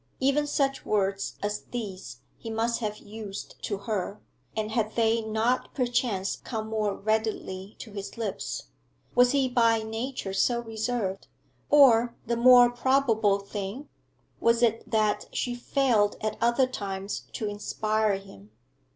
Even such words as these he must have used to her, and had they not perchance come more readily to his lips? Was he by nature so reserved? Or, the more probable thing, was it that she failed at other times to inspire him?